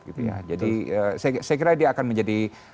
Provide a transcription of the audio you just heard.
gitu ya jadi saya kira dia akan menjadi